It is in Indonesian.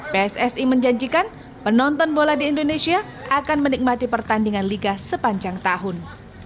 pssi menjanjikan penonton bola di indonesia akan menikmati pertandingan liga sepanjang tahun